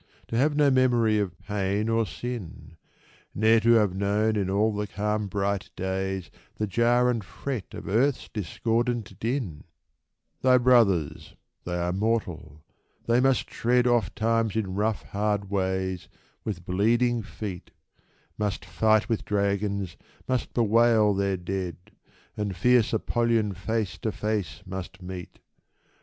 To have no memory of pain or sin ? Ne'er to have known in all the calm, bright days, The jar and fret of earth's discordant din ? 234 TWENTY ONE Thy brothers — they are mortal — they must tread Ofttimes in rough, hard ways, with bleeding feet ; Must fight with dragons, must bewail their dead, And fierce Apollyon face to face must meet.